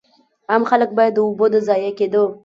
عام خلک باید د اوبو د ضایع کېدو.